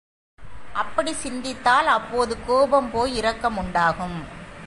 அப்படிச் சிந்தித்தால் அப்போது கோபம் போய் இரக்கம் உண்டாகும்.